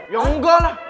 ya enggak lah